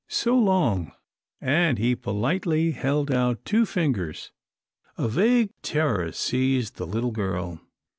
So long," and he politely held out two fingers. A vague terror seized the little girl.